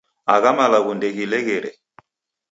Agha malagho ndeghileghere.